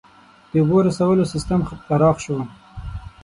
• د اوبو رسولو سیستم پراخ شو.